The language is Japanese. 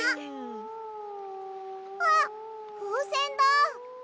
あっふうせんだ！